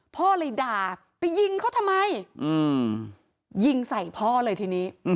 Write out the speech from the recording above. พ่อเลยด่าไปยิงเขาทำไมยิงใส่พ่อเลยทีนี้